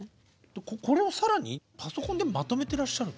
これを更にパソコンでまとめてらっしゃる？